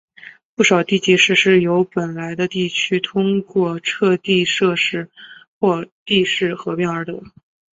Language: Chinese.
不少地级市是由原本的地区通过撤地设市或地市合并而得。